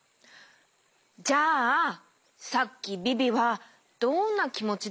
じゃあさっきビビはどんなきもちだったとおもう？